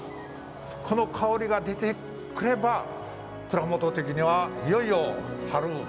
この香りが出てくれば蔵元的には、いよいよ春間近だと。